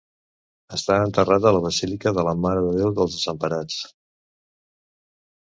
Està enterrat a la Basílica de la Mare de Déu dels Desemparats.